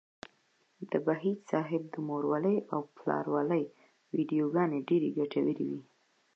د بهيج صاحب د مورولۍ او پلارولۍ ويډيوګانې ډېرې ګټورې وې.